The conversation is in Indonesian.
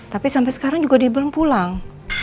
tapi sampai sekarang juga dia belum pulang